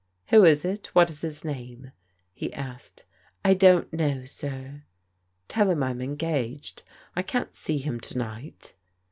" Who is it ? What is his name ?" he asked. " I don't know, sir." " Tell him I'm engaged. I can't see him to night."